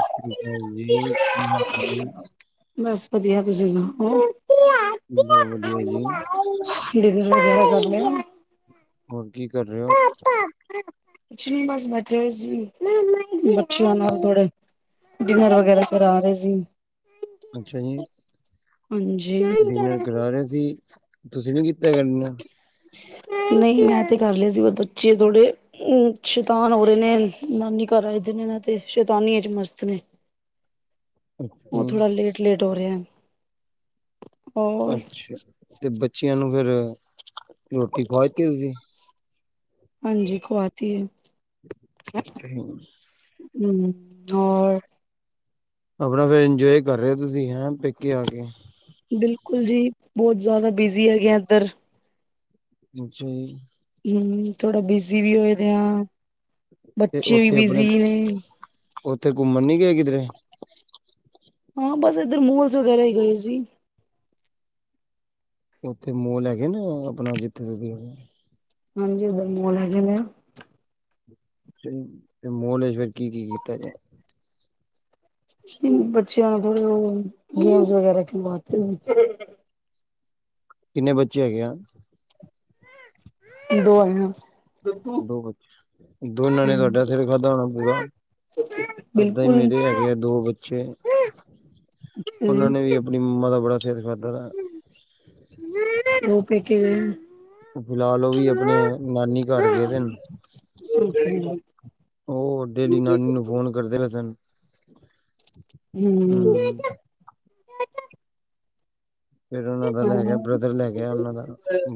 ਸਤਿ ਸ਼੍ਰੀ ਆਕਾਲ ਜੀ ਕੀ ਹਾਲ ਨੇ। ਬਸ ਵਧੀਆ ਤੁਸੀਂ ਸੁਣਾਓ। ਬਹੁਤ ਵਧੀਆ ਜੀ [inaudible] ਹੋਰ ਕੀ ਕਰ ਰਏ ਓ। ਜੀ ਬਸ ਬੈਠੇ ਸੀ ਬੱਚਿਆਂ ਨਾਲ ਥੋੜੇ ਡਿਨਰ ਵਗੈਰਾ ਕਰਾ ਰਏ ਸੀ। ਅੱਛਾ ਜੀ ਹਾਂਜੀ, ਡਿਨਰ ਕਰਾ ਰਏ ਸੀ। ਤੁਸੀਂ ਨੀ ਕੀਤਾ ਕਰਨਾ। ਨਈ ਮੈਂ ਤੇ ਕਰ ਲਿਆ ਸੀ ਪਰ ਬੱਚੇ ਥੋੜੇ ਸ਼ੈਤਾਨ ਹੋ ਰਏ ਨੇ ਨਾਨੀ ਘਰ ਆਏ ਦੇ ਨੇ ਤੇ ਸ਼ੈਤਾਨੀਆਂ 'ਚ ਮਸਤ ਨੇ। [inaudible] ਓ ਅੱਛਾ ਥੋੜ੍ਹਾ ਲੇਟ-ਲੇਟ ਹੋ ਰਿਆ। ਅੱਛਾ ਤੇ ਬੱਚਿਆਂ ਨੂੰ ਫਿਰ ਰੋਟੀ ਖਵਾ ਦਿੱਤੀ ਤੁਸੀ ਹਾਂਜੀ ਖਵਾ ਤੀ ਏ। ਅੱਛਾ ਜੀ। ਹੂੰ ਔਰ ਆਪਣਾ ਫਿਰ ਇੰਜੋਏ ਕਰ ਰਏ ਹੋ ਤੁਸੀ ਹੈਂ ਪੇਕੇ ਆ ਕੇ ਬਿਲਕੁਲ ਜੀ ਬੋਤ ਜਾਦਾ ਬਿਜ਼ੀ ਹੈਗੇ ਇੱਧਰ ਜੀ ਹਹੂੰ ਥੋੜਾ ਬਿਜੀ਼ ਵੀ ਹੋਏ ਦੇ ਆਂ, ਬੱਚੇ ਵੀ ਬਿਜੀ਼ ਨੇ। ਓਥੇ ਘੁੰਮਨ ਨੀ ਗਏ ਕਿਦਰੇ? ਹਾਂ ਬਸ ਏਦਰ ਮੂਅਲਸ ਵਗੇਰਾ ਈ ਗਏ ਸੀ। ਓਥੇ ਮੋਲ ਹੈਗੇ ਨੇ ਅਪਣਾ ਜਿੱਥੇ ਤੂਸੀ ਹੋ? ਹਾਂਜੀ [unintelligible] ਮੋਲ ਹੈਗੇ ਨੇ। [unintelligible] ਮੋਲ ਚ' ਫੇਰ ਕੀ-ਕੀ ਕੀਤਾ ਜੇ? ਕੁੱਛ ਵੀ ਨੀ ਬੱਚੇਆਂ ਨੂੰ ਥੋੜੇ ਗੇਮਸ ਵਗੈਰਾ ਖੀਲਵਾਤੇ ਨੇ। ਕਿੰਨੇ ਬੱਚੇ ਹੈਗੇ ਆ? ਦੋ ਆਈਆਂ। ਦੋ ਬੱਚੇ, ਦੋਨਾਂ ਨੇ ਤੂਆਡਾ ਸਿਰ ਖਾੱਦਾ ਹੋਣਾ ਪੂਰਾ? [inaudible] ਐਦਾਂ ਈ ਮੇਰੇ ਹੈਗੇ ਆ ਦੋ ਬੱਚੇ [unintelligible] ਓਨੇ ਵੀ ਆਪਣੀ ਮੱਮਾ ਦਾ ਬੜਾ ਸੇਰ ਖਾਦਾ ਦੈ। ਓ ਪੇਕੇ ਗਏ ਹੋਏ ਨ? ਫਿਲਾਲ ਓ ਵੀ ਆਪਣੇ, ਨਾਨੀ ਘਾਰ ਗਏਦੇ ਨ। ਓ ਡੇਲੀ ਨਾਨੀ ਨੂੰ ਫੋਨ ਕਰਦੇ ਰੇ ਸਨ ਹੂੰ ਫੇਰ ਓਨਾਂ ਦਾ ਲੈ ਹਮ ਗੇਆ ਹਾਂ ਬ੍ਰਦਰ ਲੈ ਗੇਆ ਓਨਾਂ ਦਾ,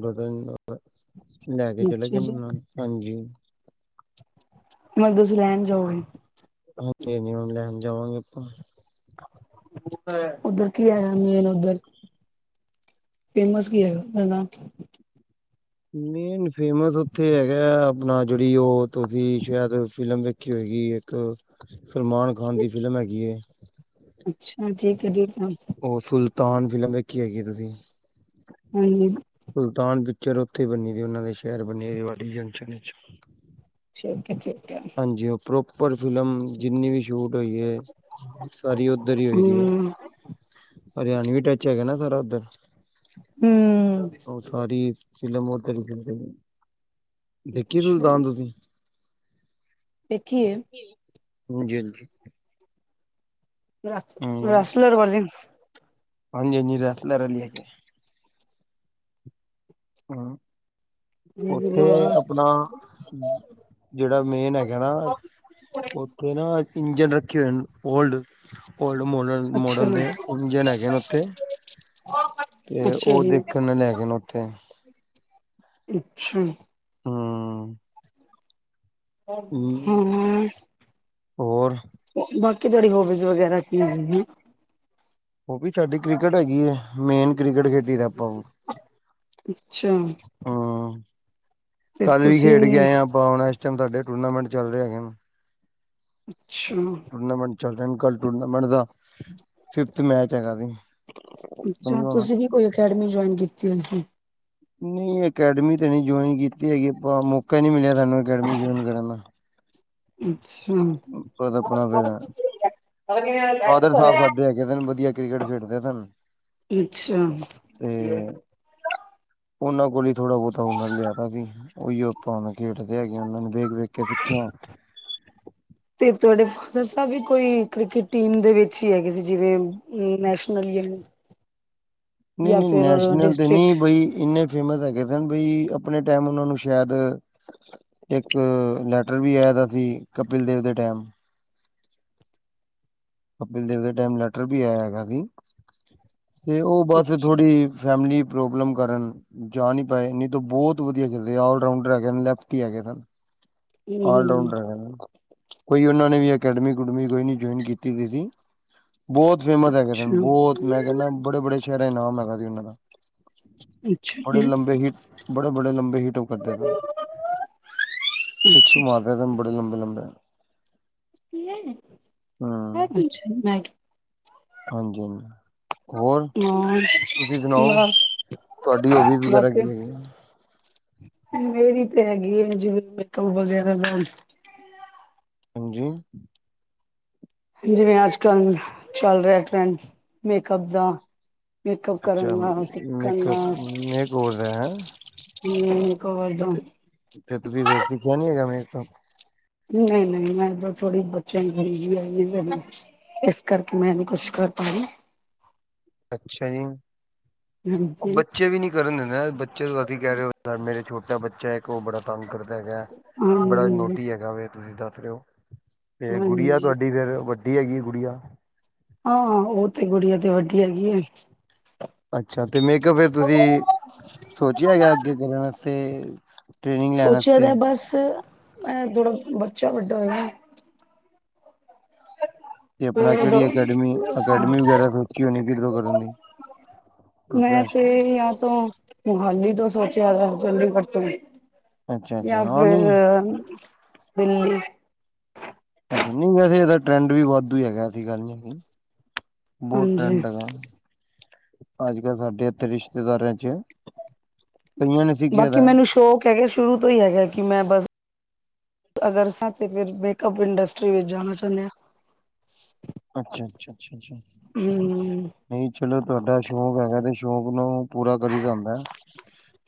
ਬ੍ਰਦਰ [unintelligible] ਲੈ ਕੇ ਚਲੇਗੇ ਅੱਛਾ ਨ ਜੀ ਓਨਾਂ ਨ, ਹਾਂਜੀ। ਹੋਨ ਤੂਸੀ ਲੈਨ ਜਾਓਗੇ? ਹਾਂਜੀ, [unintelligible] ਲੈਨ ਜਾਵਾਂਗੇ ਆਪਾਂ। ਓਦਰ ਕੀ ਆਏਆ ਮੇਨ ਓਦਰ? ਫੇਮਸ ਕੀ ਹੈਗਾ [unintelligible] ਮੇਨ ਫੇਮਸ ਓਥੇ ਹੈਗੈ [unintelligible] ਜੇੜੀ ਓ ਤੁਸੀ ਸੈ਼ਦ ਓ ਫਿਲਮ ਵੇਖੀ ਹੋਏਗੀ ਏੱਕ ਸਲਮਾਨ ਖਾਨ ਦੀ ਫਿਲਮ ਹੈਗੀ ਏ। ਅੱਛਾ ਜੇ [unintelligible] ਓ ਸੁਲਤਾਨ ਫਿਲਮ ਵੇਖੀ ਹੋਏਗੀ ਤੁਸੀਂ? [unintelligible] ਸੁਲਤਾਨ ਪਿੱਚਰ ਓਥੇ ਬਨੀ ਦੀ ਓਨਾ ਦੇ ਸੈ਼ਰ ਬਨੀ ਰੇਵਾੜੀ ਜੰਕਸ਼ਨ ਏਚ। ਠੀਕ ਐ-ਠੀਕ ਐ। ਜੀ ਓ ਪ੍ਰੋਪਰ ਫਿਲਮ ਜਿੰਨੀ ਵੀ ਸ਼ੂਟ ਹੋਈ ਏ, ਸਾਰੀ ਓਦਰ ਈ ਹੋਈਦੀ ਏ। ਹਮ ਹਰਿਆਨਵੀ ਟੱਚ ਹੈਗਾ ਨਾ ਸਾਰਾ ਓਦਰ। ਹਮ ਓ ਸਾਰੀ ਫੀਲਮ ਓਦਰ ਈ [unintelligible] ਦੇਖੀ ਅੱਛਾ ਸੁਲਤਾਨ ਤੂਸੀ? ਦੇਖੀ ਏ। ਹਾਂਜੀ-ਹਾਂਜੀ। ਰਾਸ ਰਾਸਲਰ ਵਾਲੀ? ਹਾਂਜੀੇ-ਹਾਂਜੀ, ਰੈਸਲਰ ਵਾਲੀ ਹੈਗੀ ਏ। ਹੂੰ। ਓਥੇ ਅਪਨਾ ਜੇੜਾ ਮੇਨ ਹੈਗੈ ਨਾ ਓਥੇ ਨਾ ਇੰਜਨ ਰੱਖੇ ਹੋਏ ਨ, ਓਲਡ-ਓਲਡ ਮੋਡਲ। ਅੱਛਾ ਮੋੜਲ ਜੀ। ਦੇ ਇੰਜਨ ਹੈਗੇ ਨ ਓਥੇ ਤੇ ਅੱਛਾ ਓ ਜੀ ਦੇਖਨ ਅਲੇ ਹੈਗੇ ਨ ਓਥੇ। [inaudible] ਅੱਛਾ ਜੀ। ਹੂੰ ਹੂੰ ਹੂੰ। ਹੋਰ ਬਾਕੀ ਜਿਹੜੀ ਹੋਬੀਜ਼ ਵਗੈਰਾ ਕੀ ਹੈਗੀ? ਹੋਬੀ ਸਾਡੀ ਕ੍ਰਿਕਟ ਹੈਗੀ ਏ, ਮੇਨ ਕ੍ਰਿਕਟ ਖੇਡੀ ਦਾ। ਆਪਾਂ ਹੂੰ, ਅੱਛਾ ਤੇ ਕੱਲ ਤੁਸੀਂ ਖੇਡ ਵੀ [unintelligible] ਸਾਡੇ ਟੂਰਨਾਮੈਂਟ ਚੱਲ ਦੇ ਹੈਗੇ ਨ। ਅੱਛਾ ਟੂਰਨਾਮੈਂਟ ਚੱਲ ਰਹਿਣ ਕੱਲ੍ਹ ਟੂਰਨਾਮੈਂਟ ਦਾ [inaudible] ਫਿਫਥ ਮੈਚ ਹੈਗਾ ਜੇ। ਅੱਛਾ ਤੁਸੀਂ ਵੀ ਕੋਈ ਅਕੈਡਮੀ ਜੁਆਇਨ ਕੀਤੀ ਹੋਈ ਸੀ? ਨਈ ਅਕੈਡਮੀ ਤਾਂ ਨੀ ਜੁਆਇਨ ਕੀਤੀ ਹੈਗੀ ਆਪਾਂ ਮੌਕਾ ਨੀ ਮਿਲਿਆ ਸਾਨੂੰ ਅਕੈਡਮੀ ਜੁਆਇਨ ਕਰਨ ਦਾ। ਪਰ ਆਪਣਾ ਫੇਰ ਅੱਛਾ ਫਾਦਰ ਸਾਹਿਬ ਸਾਡੇ ਹੈਗੇ ਸਨ। ਵਧੀਆ ਕ੍ਰਿਕਟ ਖੇਡਦੇ ਸਨ। ਅੱਛਾ। ਤੇ ਉਹਨਾਂ ਕੋਲ ਹੀ ਥੋੜਾ ਬੋਤਾ ਹੁਨਰ ਲਿਆਤਾ ਸੀ ਉਹੀ ਆਪਾ ਹੁਣ ਖੇਡ ਦੇ ਹੈਗੇ ਉਹਨਾਂ ਨੂੰ ਵੇਖ-ਵੇਖ ਕੇ ਸਿੱਖੀਣਾ। ਤੇ ਤੁਹਾਡੇ ਫਾਦਰ ਸਾਹਿਬ ਵੀ ਕੋਈ ਕ੍ਰਿਕਟ ਟੀਮ ਦੇ ਵਿੱਚ ਹੀ ਹੈਗੇ ਸੀ ਜਿਵੇਂ ਹੂੰ ਨੈਸ਼ਨਲ ਯਾ ਨਈ-ਨਈ ਨੈਸ਼ਨਲ ਤੇ ਡਿਸਟ੍ਰਿਕਟ ਨੀ ਬਈ ਇਨਾ ਫੇਮਸ ਹੈਗੇ ਸਨ ਬਈ ਆਪਣੇ ਟਾਈਮ ਉਹ ਨੂੰ ਸ਼ਾਇਦ ਇੱਕ ਲੈਟਰ ਵੀ ਆਇ ਦਾ ਸੀ ਕਪਿਲ ਦੇਵ ਦੇ ਟਾਈਮ। ਕਪਿਲ ਦੇਵ ਦੇ ਟਾਈਮ ਲੈਟਰ ਵੀ ਆਇਆ ਹੈਗਾ ਸੀ ਤੇ ਉਹ ਬਸ ਅੱਛਾ ਥੋੜੀ ਫੈਮਲੀ ਪ੍ਰੋਬਲਮ ਕਰਨ ਜਾ ਨੀ ਪਾਏ ਨੀ ਤਾਂ ਬੋਤ ਵਧੀਆ ਖੇਡ ਦੇ ਆਇ ਆਲਰਾਓਡਰ ਹੈਗੇ ਨ ਲੈਫ ਲੈਫਟੀ ਹੈਗੇ ਸਨ, ਆਲ ਹੂੰ ਰਾਉਂਡਰ ਹੈਗੇ ਨ। ਕੋਈ ਉਹਨਾਂ ਨੇ ਵੀ ਅਕੈਡਮੀ-ਅੂਡਮੀ ਕੋਈ ਨੀ ਜੁਆਇਨ ਕੀਤੀ ਵੀ ਸੀ ਬੋਤ ਫੇਮਸ ਹੈਗੇ ਸਨ ਅੱਛਾ ਬੋਤ ਮੈਂ ਕਹਿੰਦਾ ਬੜੇ-ਬੜੇ ਸ਼ਹਿਰ ਚ ਨਾਮ ਹੈਗਾ ਸੀ ਉਹਨਾਂ ਦਾ। ਅੱਛਾ ਬੜੇ ਜੀ ਲੰਬੇ ਹੀਟ ਬੜੇ-ਬੜੇ ਲੰਬੇ ਹੀਟਪ ਕਰ ਦੇ ਸਨ। ਸਿਕਸ ਅੱਛਾ ਮਾਰਦੇ ਸਨ ਬੜੇ ਲੰਬੇ-ਲੰਬੇ। ਨਈ ਓ ਪੁਛਦੀ ਮੈ ਕੇ ਹਾਂਜੀ ਹਾਂਜੀ। ਹੋਰ ਤੁਸੀਂ ਸੁਣਾਓ ਹਾਂ ਬਸ ਤੁਆਡੀ ਹੋਬੀਸ ਵਗੈਰਾ ਬਾਕੀ ਕੀ ਹੈਗੀ ਐ। ਮੇਰੀ ਤੇ ਹੈਗੀ ਏ ਜਿਵੇ ਨਿਕਲ ਵਗੈਰਾ ਲੈਣ। ਹੈਜੀ ਜਿਵੇਂ ਅੱਜ- ਕੱਲ੍ਹ ਚੱਲ ਰਿਹਾ ਟਰੈਂਡ ਮੇਕਅੱਪ ਦਾ। ਮੇਕਅਪ ਕਰਨ ਅੱਛਾ ਦਾ ਸਿੱਖਣ ਦਾ ਮੇਕਅਪ ਮੇਕ ਓਵਰ ਦਾ ਹੈਂ। ਹੂੰ [unintelligible] ਤੇ ਤੁਸੀਂ ਵੈਸੀ [unintelligible] ਮੈਕਪ। ਨਈ- ਨਈ ਮੈਂ ਇਦਾਂ ਥੋੜ੍ਹੀ ਬੱਚਿਆਂ ਨੂੰ [unintelligible] ਬਸ ਕਰਕੇ ਮੈਂ ਇਹ ਨੂੰ ਕੁਛ ਕਰ ਪਾਓਗੀ। ਅੱਛਾ ਜੀ। ਹੂੰ ਬੱਚੇ ਵੀ ਨੀ ਕਰਨ ਦਿੰਦੇ ਬੱਚੇ ਅਸੀਂ ਕਹਿ ਰਹੇ ਓ ਮੇਰੇ ਛੋਟਾ ਬੱਚਾ ਐ ਇੱਕ ਉਹ ਬੜਾ ਤੰਗ ਕਰਦਾ ਹੈਗਾ। ਬੜਾ ਹਾਂਜੀ ਨੋਟੀ ਹੈਗਾ ਵੇ। ਤੁਸੀਂ ਦੱਸ ਰੇ ਓ। ਤੇ ਗੁੜੀਆ ਹਾਂਜੀ ਤੁਹਾਡੀ ਫੇਰ, ਵੱਡੀ ਹੈਗੀ ਗੁੜੀਆਂ। ਹਾਂ, ਉਹ ਤੇ ਗੁੜੀਆ ਤੇ ਵੱਡੀ ਹੈਗੀ ਐਂ। ਅੱਛਾ ਤੇ ਮੇ ਕਿਹਾ ਫੇਰ ਤੁਸੀਂ ਸੋਚਿਆਂ ਹੈਗਾ, ਅੱਗੇ ਕਰਨ ਵਾਸਤੇ ਟ੍ਰੇਨਿੰਗ ਲੈਣ ਸੋਚਿਆ ਵਾਸਤੇ, ਦਾ ਬਸ, ਮੈਂ ਥੋੜਾ ਬੱਚਾ ਵੱਡਾ ਹੋਇਆ। ਤੇ ਆਪਣਾ ਕਿਹੜੀ ਅਕੈਡਮੀ-ਅਕੈਡਮੀ ਵਗ਼ੈਰਾ ਸੋਚੀਂ ਹੋਣੀ, ਕਿਧਰੋਂ ਕਰਨ ਦੀ। ਮੈਂ ਪ੍ਰੋਫੈਸ਼ ਤੇ, ਯਾ ਤੋਂ ਮੋਹਾਲੀ ਤੋ ਸੋਚਿਆਂ ਦਾ, ਚੰਡੀਗੜ੍ਹ ਤੋ। ਅੱਛਾ ਅੱਛਾ ਜਾਂ ਹਾਂ ਫੇਰ, ਨਹੀਂ ਦਿੱਲੀ। ਪਤਾ ਨੀ, ਵੈਸੇ ਇਹਦਾ ਟਰੈਂਡ ਵੀ ਵਾਧੂ ਈ ਹੈਗਾ। ਐਸੀ ਗੱਲ ਨੀ ਹੈਗੀ। ਬੋਤ ਹਾਂਜੀ ਟ੍ਰੈਂਡ ਹੈਗਾ। ਅੱਜ-ਕੱਲ੍ਹ ਸਾਡੇ ਇੱਥੇ ਰਿਸ਼ਤੇਦਾਰਾਂ 'ਚ ਕਈਆਂ ਨੇ ਸਿੱਖਿਆ ਬਾਕੀ ਦਾ ਮੈਨੂੰ ਸ਼ੌਂਕ ਹੈਗਾ। ਸ਼ੁਰੂ ਤੋਂ ਹੀ ਹੈਗਾ ਕਿ ਮੈਂ ਬਸ ਅਗਰ ਸੱਚ ਏ, ਫਿਰ ਮੇਕਅੱਪ ਇੰਡਸਟਰੀ ਵਿੱਚ ਜਾਣਾ ਚਾਹੁੰਨੇ ਆ। ਅੱਛਾ-ਅੱਛਾ-ਅੱਛਾ-ਅੱਛਾ। ਹਮ ਨਈ ਚਲੋ ਤੁਹਾਡਾ ਸ਼ੌਂਕ ਹੈਗਾ ਤੇ ਸ਼ੌਂਕ ਨੂੰ ਪੂਰਾ ਕਰੀ ਦਾ ਹੂ ਹੈਂ,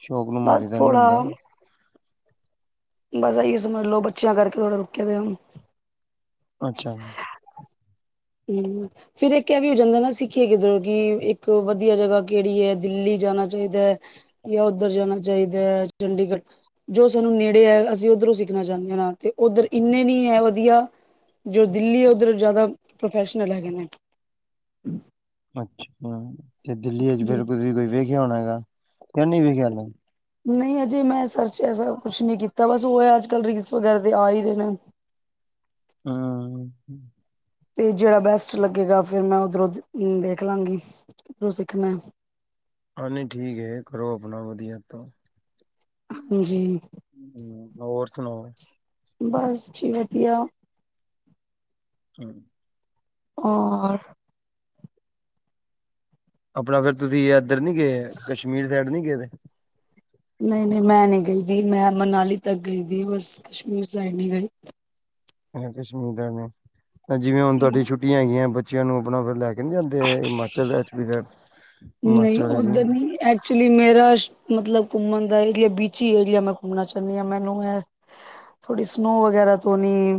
ਸ਼ੌਂਕ ਨੂੰ ਬਸ ਮਾਰੀ ਦਾ ਨੀ ਥੋੜਾ ਹੁੰਦਾ। ਬਸ ਐਈਓ ਸਮਝ ਲੋ, ਬੱਚਿਆਂ ਕਰਕੇ ਥੋੜ੍ਹਾ ਰੁਕੇ ਹੋਏ ਆਂ ਹੁਣ। ਅੱਛਾ ਜੀ। ਹੂੰ ਫਿਰ ਇੱਕ ਇਹ ਵੀ ਹੋ ਜਾਂਦਾ ਨਾ, ਸਿੱਖੀਏ ਕਿੱਧਰੋਂ। ਕਿ ਇੱਕ ਵਧੀਆ ਜਗ੍ਹਾ ਕਿਹੜੀ ਏ। ਦਿੱਲੀ ਜਾਣਾ ਚਾਹੀਦਾ ਯਾਂ ਉੱਧਰ ਜਾਣਾ ਚਾਹੀਦਾ, ਚੰਡੀਗੜ੍ਹ। ਜੋ ਸਾਨੂੰ ਨੇੜੇ ਐ, ਅਸੀਂ ਉੱਧਰੋਂ ਸਿੱਖਣਾ ਚਾਹੁੰਨੇ ਹਾਂ ਤੇ ਉੱਧਰ ਇੰਨੇ ਨੀਂ ਐ ਵਧੀਆ। ਜੋ ਦਿੱਲੀ ਉੱਧਰੋ ਜ਼ਿਆਦਾ ਪ੍ਰੋਫੈਸ਼ਨਲ ਹੈਗੇ ਨੇ। ਅੱਛਾ, ਤੇ ਦਿੱਲੀ ਇਚ ਹੂੰ। ਫਿਰ ਤੁਸੀਂ ਕੋਈ ਵੇਖਿਆ ਹੋਣਾ ਹੈਗਾ। ਯਾਂ ਨਹੀਂ ਵੇਖਿਆ ਹਾਲੇ। ਨਹੀਂ, ਅਜੇ ਮੈਂ ਸਰਚ ਐਸਾ ਕੁਛ ਨੀ ਕੀਤਾ। ਬਸ ਉਹ ਐ ਅੱਜ-ਕੱਲ੍ਹ ਰੀਲਸ ਵਗੈਰਾ ਤੇ ਆ ਈ ਰਹੇ ਨੇ। ਹਾਂ। ਤੇ ਜਿਹੜਾ ਬੈਸਟ ਲੱਗੇਗਾ। ਫਿਰ ਮੈਂ ਉੱਧਰੋਂ ਅਮ ਦੇਖਲਾਂਗੀ, ਕਿਥੋਂ ਸਿੱਖਣਾ। ਹਾਂ, ਨਹੀ ਠੀਕ ਏ। ਕਰੋ ਆਪਣਾ ਵਧੀਆ ਉਥੋ ਹਾਂਜੀ। ਹੂੰ, ਹੋਰ ਸੁਣਾਓ? ਬੱਸ ਜੀ ਵਧੀਆ। [inaudible] ਔਰ ਆਪਣਾ ਫੇਰ ਤੁਸੀਂ ਐਧਰ ਨੀ ਗ‌ਏ। ਕਸ਼ਮੀਰ ਸਾਈਡ ਨੀ ਗਏ ਦੇ। ਨਈ-ਨਈ ਮੈਂ ਨੀਂ ਗਈ ਦੀ। ਮੈਂ ਮਨਾਲੀ ਤੱਕ ਗਈ ਦੀ ਬੱਸ। ਕਸ਼ਮੀਰ ਸਾਈਡ ਨੀ ਗਈ। ਹੁਣ ਕਸ਼ਮੀਰ ਦਾ ਨਾ। ਜਿਵੇਂ ਹੁਣ ਤੁਹਾਡੀ ਛੁੱ ਛੁਟੀਆਂ ਹੈਗੀਆਂ ਬੱਚਿਆਂ ਨੂੰ। ਆਪਣਾ ਫਿਰ ਲੈ ਕੇ ਨੀ ਜਾਂਦੇ। Himachal, H P side. ਨਈ ਉੱਧਰ ਨੀ, ਏਧ ਐਕਚੁਲੀ ਮੇਰਾ, ਮਤਲਬ ਘੁੰਮਣ ਦਾ ਏਰੀਆ, ਬੀਚੀ ਏਰੀਆ ਮੈਂ ਘੁੰਮਣਾ ਚਾਹੁੰਦੀ ਆਂ। ਮੈਂਨੂੰ ਇਹ ਥੋੜ੍ਹੀ ਸਨੋ ਵਗੈਰਾ ਤੋਂ ਨੀਂ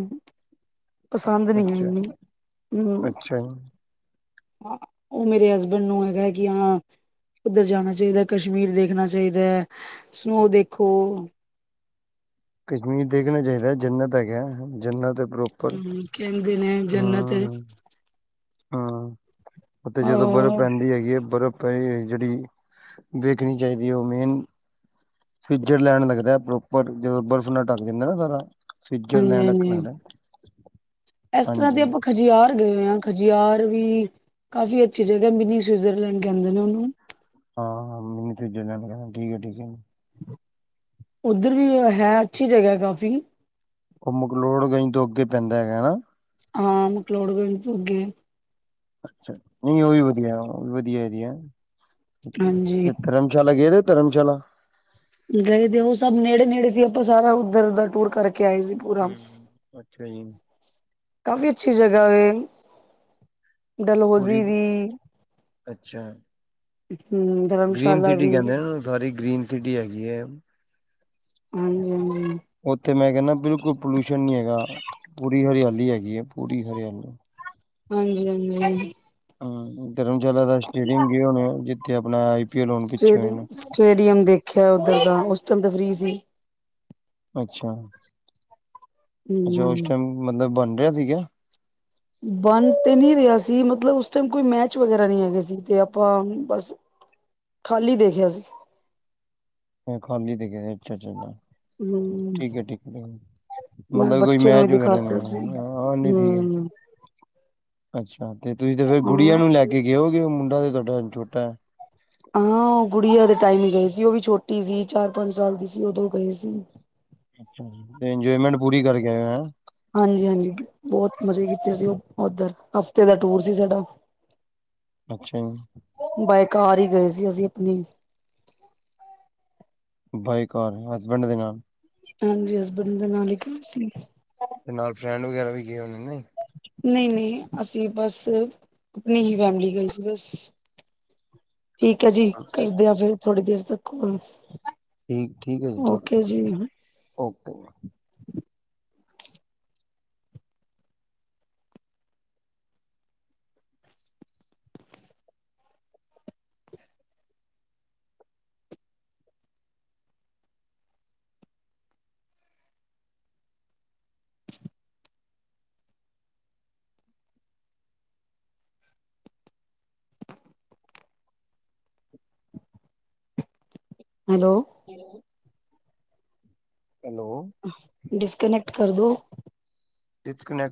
ਪਸੰਦ ਨੀ ਹੈ ਅੱਛਾ ਮੈਨੂੰ। ਹੂੰ ਅੱਛਾ ਜੀ। ਹਾਂ, ਉਹ ਮੇਰੇ ਹਸਬੈਂਡ ਨੂੰ ਹੈਗਾ ਕਿ ਹਾਂ ਉੱਧਰ ਜਾਣਾ ਚਾਹੀਦਾ। ਕਸ਼ਮੀਰ ਦੇਖਣਾ ਚਾਹੀਦਾ। ਸਨੋ ਦੇਖੋ। ਕਸ਼ਮੀਰ ਦੇਖਣਾ ਚਾਹੀਦਾ ਜੰਨਤ ਹੈਗਾ। ਜੰਨਤ ਐ ਪਰੋ ਪਰ, ਹਮ ਕਹਿੰਦੇ ਨੇ ਜੰਨਤ ਹੈ ਹਾਂ-ਹਾਂ। ਓ ਤੇ ਜਦੋਂ ਬਰਫ਼ ਹਾਂ, ਪੈਂਦੀ ਹੈਗੀ ਏ ਬਰਫ਼ ਪਈ ਜਿਹੜੀ, ਦੇਖਣੀ ਚਾਹੀਦੀ ਓ ਮੇਨ ਸਵਿਟਜ਼ਰਲੈਂਡ ਲੱਗਦਾ ਪ੍ਰੋਪਰ ਜਦੋਂ ਬਰਫ਼ ਨਾਲ ਢੱਕ ਜਾਂਦਾ ਨਾ ਸਾਰਾ। ਹਾਂਜੀ ਸਵਿਜਰਲੈਂਡ ਆਕਣ ਹਾਂਜੀ ਲਗਦਾ, ਇਸ ਤਰ੍ਹਾਂ ਹਾਂਜੀ। ਦੇ ਆਪਾਂ ਖਜਿਆਰ ਗਏ ਹੋਏ ਆਂ, ਖਜਿਆਰ ਵੀ ਕਾਫ਼ੀ ਅੱਛੀ ਜਗ੍ਹਾ ਐ ਮਿਨੀ ਸਵਿਟਜ਼ਰਲੈਂਡ ਕਹਿੰਦੇ ਨੇ ਉਹਨੂੰ। ਹਾਂ-ਹਾਂ, ਮਿੱਨੀ ਸਵਿਜ਼ਰਲੈਂਡ ਕਹਿੰਦੇ ਨੇ ਠੀਕ ਹੈ ਠੀਕ ਹੈ। ਉੱਧਰ ਵੀ ਓ ਹੈ ਅੱਛੀ ਜਗ੍ਹਾ ਕਾਫ਼ੀ ਉਹ ਮਕਲੋਡਗੰਜ ਤੋਂ ਅੱਗੇ ਪੈਂਦਾ ਹੈਗਾ ਨਾ। ਹਾਂ ਮਕਲੋਡਗੰਜ ਤੋਂ ਅੱਗੇ ਅੱਛਾ, ਨਈ ਉਹ ਵੀ ਵਧੀਆ, ਓ ਵਧੀਆ ਏਰੀਆ, ਹਾਂਜੀ ਧਰਮ ਧਰਮਸ਼ਾਲਾ ਗਏ ਦੇ ਓ ਧਰਮਸ਼ਾਲਾ ਗਏ ਦੇ ਉਹ ਸਭ ਨੇੜੇ-ਨੇੜੇ ਸੀ ਉਥੋਂ ਸਾਰਾ ਉੱਧਰ ਦਾ ਟੂਰ ਕਰਕੇ ਆਏ ਸੀ। ਪੂਰਾ ਹਮ ਅੱਛਾ ਜੀ। ਕਾਫ਼ੀ ਅੱਛੀ ਜਗਾ ਐ। ਡਲਹੋਜ਼ੀ ਪੂਰੀ ਵੀ ਅੱਛਾ ਹਮ। ਗ੍ਰੀਨ ਧਰਮਸ਼ਾਲਾ ਸਿਟੀ ਵੀ। ਕਹਿੰਦੇ ਨੇ ਸਾਰੀ ਗ੍ਰੀਨ ਸਿਟੀ ਹੈਗੀ ਹੈ। ਹਾਂਜੀ। ਉੱਥੇ ਮੈਂ ਕਹਿੰਦਾ ਬਿਲਕੁਲ ਪੋਲਿਊਸ਼ਨ ਨਹੀਂ ਹੈਗਾ। ਪੂਰੀ ਹਰਿਆਲੀ ਹੈਗੀ ਹੈ, ਪੂਰੀ ਹਰਿਆਲੀ। ਹਾਂਜੀ, ਹਾਂਜੀ, ਹਾਂਜੀ। ਹਮ ਧਰਮਸ਼ਾਲਾ ਦਾ ਸਟੇਡੀਅਮ ਗਿਆ ਹੋੁਣੇ ੳ ਜਿੱਥੇ ਆਪਣਾ ਆਈ ਪੀ ਐਲ ਹੁਣ ਪਿੱਛੇ ਸਟੇ ਹੋਏ ਨੇ ਸਟੇਡੀਅਮ ਦੇਖਿਆ ਉੱਧਰ ਦਾ, ਉਸ ਟਾਈਮ ਤਾਂ ਫ੍ਰਰੀ ਸੀ। ਅੱਛਾ-ਅੱਛਾ ਉਸ ਹੂੰ ਟਾਈਮ ਮਤਲਬ ਬਣ ਰਿਹਾ ਸੀਗਾ? ਬਣ ਤੇ ਨਹੀਂ ਰਿਹਾ ਸੀ, ਮਤਲਬ ਉਸ ਟਾਈਮ ਕੋਈ ਮੈਚ ਵਗੈਰਾ ਨਹੀਂ ਹੈਗੇ ਸੀ ਤੇ ਆਪਾਂ ਬਸ ਖਾਲੀ ਦੇਖਿਆ ਸੀ। ਖਾਲੀ ਦੇਖਿਆ ਸੀ ਅਛਾ-ਅੱਛਾ-ਅੱਛਾ, ਹਮ ਠੀਕ ਹੈ ਠੀਕ ਹੈ ਠੀਕ ਨਾਲ ਮਤਲਬ ਕੋਈ ਬੱਚੇ ਨੂੰ ਵੀ ਮੈਚ ਵਗੈਰਾ ਨੀ ਦਿਖਾਤਾ ਸੀ ਹੈਗਾ ਹਾਂ ਨੀ ਠੀਕ ਹੈ। ਹਮ ਅੱਛਾ ਤੇ ਤੁਸੀਂ ਤੇ ਫੇਰ ਗੁੜੀਆਂ ਹਾਂ ਨੂੰ ਲੈ ਕੇ ਗਏ ਹੋਵੋਗੇ। ਮੁੰਡਾ ਤੇ ਤੁਹਾਡਾ ਛੋਟਾ ਹੈ। ਹਾਂ ਉਹ ਗੁੜੀਆਂ ਦੇ ਟਾਈਮ ਹੀ ਗਏ ਸੀ। ਉਹ ਵੀ ਛੋਟੀ ਸੀ ਚਾਰ ਪੰਜ ਸਾਲ ਦੀ ਸੀ ਉਦੋਂ ਗਏ ਸੀ। ਅੱਛਾ ਜੀ ਤੇ ਇੰਜੋਏਮੈਂਟ ਪੂਰੀ ਕਰਕੇ ਆਏ ਹੈਂ। ਹਾਂਜੀ-ਹਾਂਜੀ ਬਹੁਤ ਮਜ਼ੇ ਕੀਤੇ ਸੀ ਉਹ ਉੱਧਰ, ਹਫ਼ਤੇ ਦਾ ਟੂਰ ਸੀ ਸਾਡਾ। ਅੱਛਾ ਜੀ। ਬਾਈ ਕਾਰ ਹੀ ਗਏ ਸੀ ਅਸੀਂ ਆਪਣੀ। ਬਾਈ ਕਾਰ ਹਸਬੈਂਡ ਦੇ ਨਾਲ। ਹਾਂਜੀ ਹਸਬੈਂਡ ਦੇ ਨਾਲ ਇ ਗਏ ਸੀ। ਤੇ ਨਾਲ ਫਰੈਂਡ ਵਗੈਰਾ ਵੀ ਗਏ ਹੋੁਨੇਨ ਕੇ ਨਈ। ਨਹੀਂ-ਨਹੀਂ ਅਸੀਂ ਬਸ ਆਪਣੀ ਹੀ ਫੈਮਿਲੀ ਗਏ ਸੀ ਬਸ। ਠੀਕ ਹੈ ਜੀ ਕਰਦੇ ਆ ਫੇਰ ਥੋੜੀ ਦੇਰ ਤੱਕ ਕੋਲ। ਠੀਕ ਹੈ ਜੀ, ਠੀਕ ਹੈ ਜੀ okay. [inaudible] [inaudible] Hello. Hello. Hello. Disconnect ਕਰਦੋ। ਡਿਸਕਨੈਕਟ।